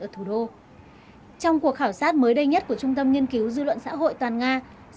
trong cuộc khảo sát mới đây nhất của trung tâm nghiên cứu dư luận xã hội toàn nga